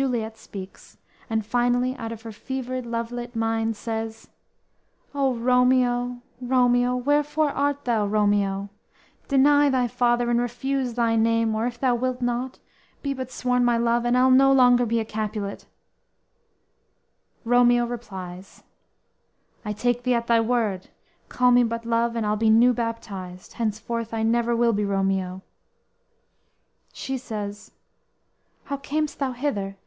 "_ Juliet speaks, and finally out of her fevered, love lit mind says: _"O, Romeo, Romeo! wherefore art thou Romeo? Deny thy father and refuse thy name; Or, if thou wilt not, be but sworn my love, And I'll no longer be a Capulet!"_ Romeo replies: "I take thee at thy word; Call me but love, and I'll be new baptized, Henceforth I never will be Romeo." She says: _"How cam'st thou hither?